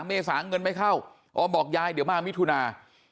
เมษาเงินไม่เข้าออมบอกยายเดี๋ยวมามิถุนา